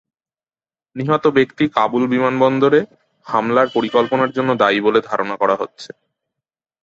নিহত ব্যক্তি কাবুল বিমানবন্দরে হামলার পরিকল্পনার জন্য দায়ী বলে ধারণা করা হচ্ছে।